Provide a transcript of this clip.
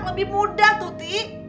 lebih mudah tuti